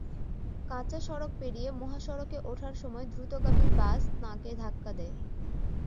কাঁচা সড়ক পেড়িয়ে মহাসড়কে ওঠার সময় দ্রুতগামী বাস তাঁকে ধাক্কা দেয়।